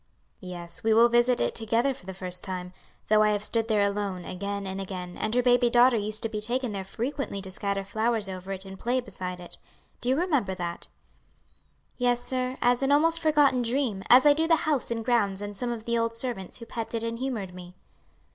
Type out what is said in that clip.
"Yes, we will visit it together for the first time; though I have stood there alone again and again, and her baby daughter used to be taken there frequently to scatter flowers over it and play beside it. Do you remember that?" "Yes, sir, as an almost forgotten dream, as I do the house and grounds and some of the old servants who petted and humored me."